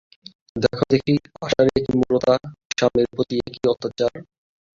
দেখো দেখি, আশার এ কী মূঢ়তা, স্বামীর প্রতি এ কী অত্যাচার।